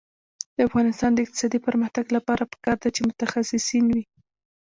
د افغانستان د اقتصادي پرمختګ لپاره پکار ده چې متخصصین وي.